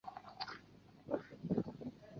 选庶吉士。